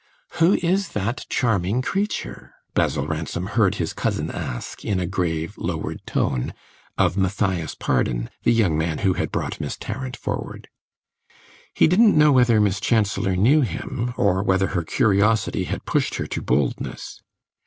"Who is that charming creature?" Basil Ransom heard his cousin ask, in a grave, lowered tone, of Matthias Pardon, the young man who had brought Miss Tarrant forward. He didn't know whether Miss Chancellor knew him, or whether her curiosity had pushed her to boldness.